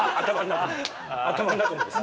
頭の中でですか？